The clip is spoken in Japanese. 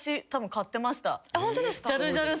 ホントですか？